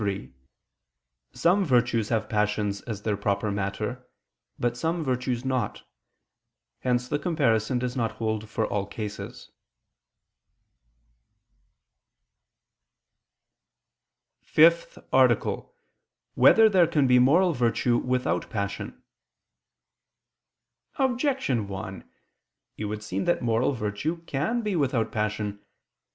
3: Some virtues have passions as their proper matter, but some virtues not. Hence the comparison does not hold for all cases. ________________________ FIFTH ARTICLE [I II, Q. 59, Art. 5] Whether There Can Be Moral Virtue Without Passion? Objection 1: It would seem that moral virtue can be without passion.